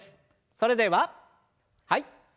それでははい。